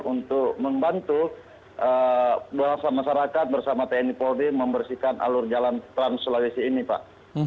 untuk membantu bangsa masyarakat bersama tni polri membersihkan alur jalan trans sulawesi ini pak